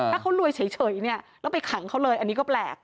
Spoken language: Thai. ถ้าเขารวยเฉยเนี่ยแล้วไปขังเขาเลยอันนี้ก็แปลก